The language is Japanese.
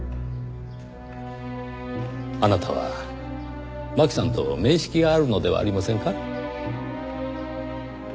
あなたは槙さんと面識があるのではありませんか？